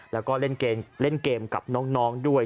แล้วก็เล่นเกมกับน้องด้วย